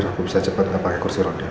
biar aku bisa cepat pakai kursi ronde